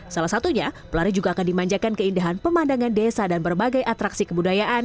salah satunya pelari juga akan dimanjakan keindahan pemandangan desa dan berbagai atraksi kebudayaan